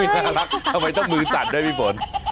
ทำไมต้องมือสั่นด้วยพี่ฝน